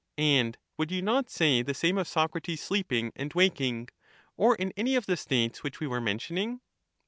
And would you not say the same of Socrates sleeping and waking, or in any of the states which we were mentioning?